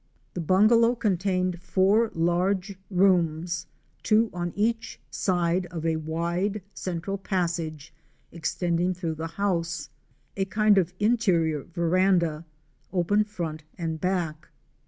The bungalow contained four large rooms, two on each side of a wide central passage, extending through the house—a kind of interior veranda, open front and back.